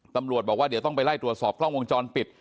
ตำรวจบอกว่าเดี๋ยวต้องไปไล่ตรวจสอบกล้องวงจรปิด